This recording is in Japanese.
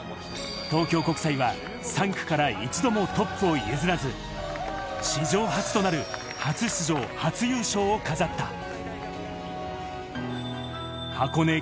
東京国際は３区から一度もトップを譲らず、史上初となる初出場、初優勝を飾った。